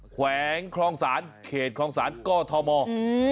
แม้งคลองศาลเขตคลองศาลก็ทอมมอล์